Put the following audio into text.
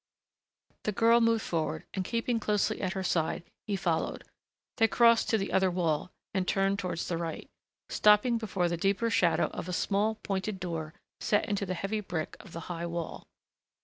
The girl moved forward and keeping closely at her side he followed; they crossed to the other wall, and turned towards the right, stopping before the deeper shadow of a small, pointed door set into the heavy brick of the high wall.